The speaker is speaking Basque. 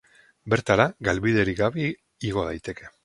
Bertara, galbiderik gabe igo daiteke.